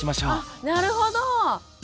あっなるほど！